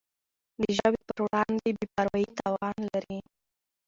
د ژبي پر وړاندي بي پروایي تاوان لري.